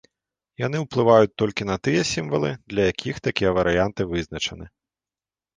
Яны ўплываюць толькі на тыя сімвалы, для якіх такія варыянты вызначаны.